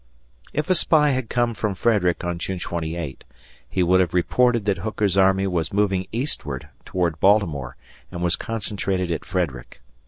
If a spy had come from Frederick on June 28, he would have reported that Hooker's army was moving eastward toward Baltimore and wasconcentrated at Frederick.